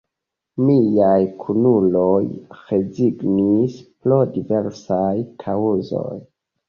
Miaj kunuloj rezignis pro diversaj kaŭzoj.